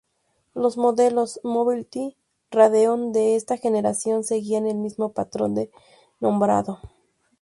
Los modelos "Mobility Radeon" de esta generación seguían el mismo patrón de nombrado.